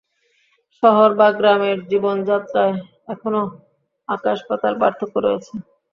শহর ও গ্রামের জীবনযাত্রায় এখনও আকাশ-পাতাল পার্থক্য রয়েছে।